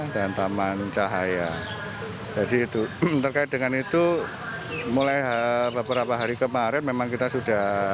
dan taman cahaya jadi itu terkait dengan itu mulai beberapa hari kemarin memang kita sudah